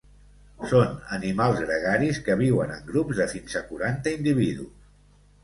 Són animals gregaris que viuen en grups de fins a quaranta individus.